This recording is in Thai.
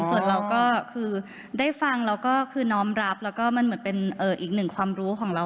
ส่วนเราก็คือได้ฟังแล้วก็คือน้อมรับแล้วก็มันเหมือนเป็นอีกหนึ่งความรู้ของเรา